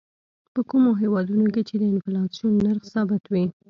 په کومو هېوادونو کې چې د انفلاسیون نرخ ثابت وي.